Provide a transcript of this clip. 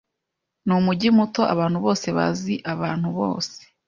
Ni umujyi muto. Abantu bose bazi abantu bose.